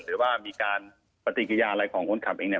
หรือว่ามีการปฏิกิริยาอะไรของคนขับเองเนี่ย